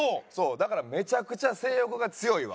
だからめちゃくちゃ性欲が強いわ。